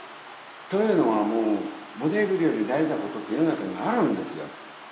というのはもうボディビルより大事なことって世の中にはあるんですよ。